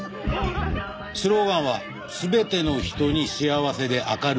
スローガンは「すべての人に幸せで明るい未来を」。